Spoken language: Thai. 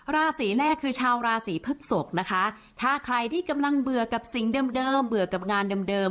ราศีแรกคือชาวราศีพฤกษกนะคะถ้าใครที่กำลังเบื่อกับสิ่งเดิมเบื่อกับงานเดิม